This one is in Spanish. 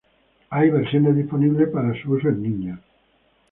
Hay versiones disponibles para su uso en niños.